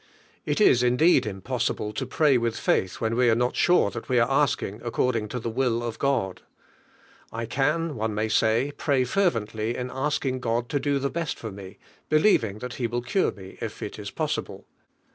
It is indeed impossible to pray with faith when we are not sure that we are asking according to the will of God. "I can," one may say, "pray fer vently in asking God to do the tiesl for me. believing Ilia! lie will run Till if il is possible."